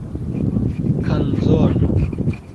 kanzono